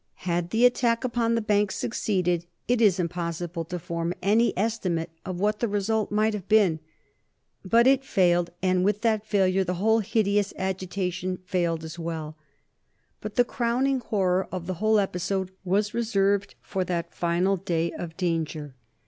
Had the attack upon the Bank succeeded it is impossible to form any estimate of what the result might have been. But it failed, and with that failure the whole hideous agitation failed as well. But the crowning horror of the whole episode was reserved for that final day of danger.